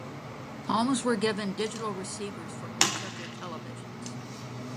Homes were given digital receivers for each of their televisions.